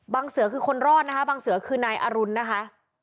เสือคือคนรอดนะคะบางเสือคือนายอรุณนะคะ